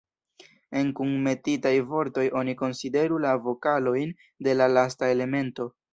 En kunmetitaj vortoj, oni konsideru la vokalojn de la lasta elemento.